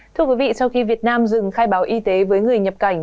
thưa quý vị sau khi việt nam dừng khai báo y tế với người nhập cảnh